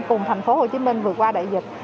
cùng tp hcm vừa qua đại dịch